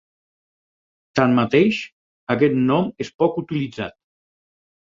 Tanmateix, aquest nom és poc utilitzat.